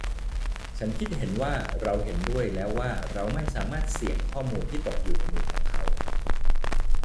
ฉันคิดว่าเราเห็นด้วยแล้วว่าเราไม่สามารถเสี่ยงข้อมูลที่ตกอยู่ในมือของเขา